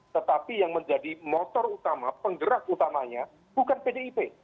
tetapi yang menjadi motor utama penggerak utamanya bukan pdip